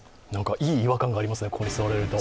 いい違和感がありますね、ここに座られると。